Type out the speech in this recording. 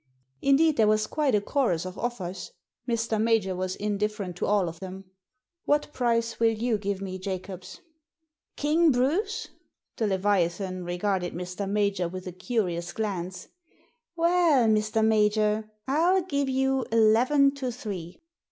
Indeed, there was quite a chorus of offers. Mr. Major was indifferent to all of them. What price will you give me, Jacobs ?"" King Bruce ?" The leviathan r^^arded Mr. Major with a curious glance. Well, Mr. Major, 111 give you eleven to three."